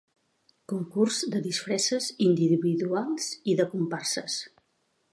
Concurs de disfresses individuals i de comparses.